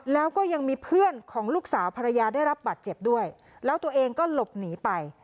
แล้วก็ยังมีเพื่อนของลูกสาวภรรยาได้รับบัตรเจ็บด้วยแล้วตัวเองก็หลบหนีไป